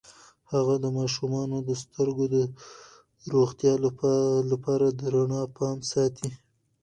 هغه د ماشومانو د سترګو د روغتیا لپاره د رڼا پام ساتي.